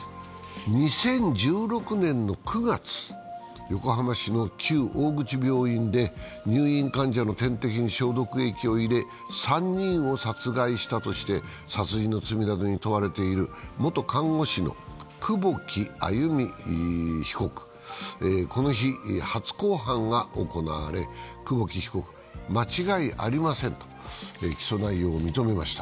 ２０１６年の９月、横浜市の旧大口病院で入院患者の点滴に消毒液を入れ、３人を殺害したとして殺人の罪などに問われている元看護師の久保木愛弓被告、この日、初公判が行われ、久保木被告、間違いありませんと起訴内容を認めました。